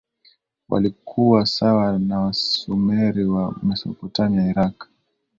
walikuwa sawa na Wasumeri wa Mesopotamia Iraq